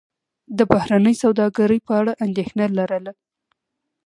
د بهرنۍ سوداګرۍ په اړه اندېښنه لرله.